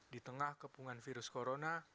di tengah kepungan virus corona